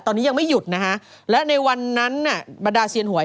ตอนนี้ยังไม่หยุดนะฮะและในวันนั้นน่ะบรรดาเซียนหวย